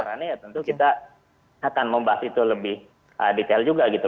karena ya tentu kita akan membahas itu lebih detail juga gitu